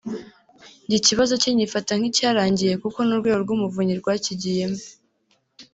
njye ikibazo cye ngifata nk’icyarangiye kuko n’Urwego rw’Umuvunyi rwakigiyemo